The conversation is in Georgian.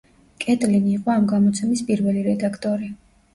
კეტლინი იყო ამ გამოცემის პირველი რედაქტორი.